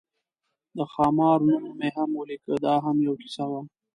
د خامار نوم مې هم ولیکه، دا هم یوه کیسه وه.